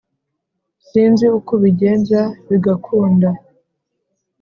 sinzi uko ubigenza bigakunda